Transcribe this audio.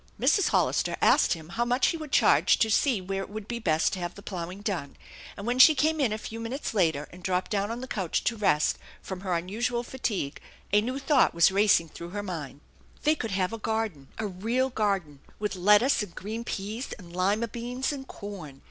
Mrs. Hollister asked him how much he would charge to see where it would be best to have the ploughing done, and when she came in a few minutes later and dropped down on the couch to rest from her unusual fatigue a new thought was racing through her mind. They could have a garden, a real garden, with lettuce and green peas and lima beans and corn